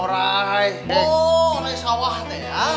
oh orang yang berburu teh